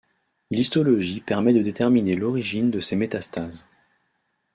L'histologie permet de déterminer l'origine de ces métastases.